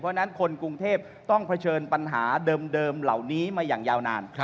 เพราะฉะนั้นคนกรุงเทพต้องเผชิญปัญหาเดิมเหล่านี้มาอย่างยาวนาน